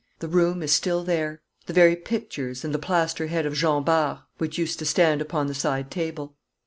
The room is still there, the very pictures and the plaster head of Jean Bart which used to stand upon the side table.